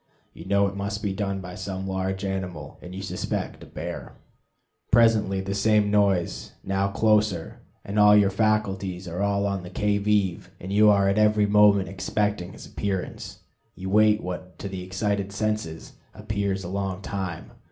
You know it must be done by some large animal, and you suspect a bear. Presently the same noise, but closer, and your faculties are all on the qui vive, and you are every moment expecting his appearance. You wait what, to the excited senses, appears a long time.